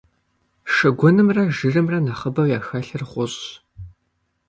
Шыгунымрэ жырымрэ нэхъыбэу яхэлъыр гъущӀщ.